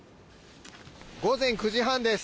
午前９時半です。